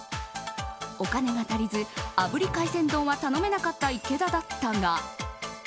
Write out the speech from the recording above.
お金が足りず炙り海鮮丼は頼めなかった池田だったが。